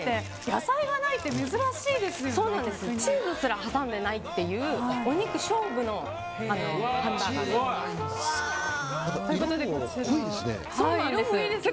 野菜がないってチーズすら挟んでいないというお肉勝負のハンバーガーです。